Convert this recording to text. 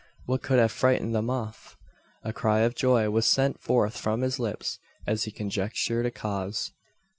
What could have frightened them off? A cry of joy was sent forth from his lips, as he conjectured a cause.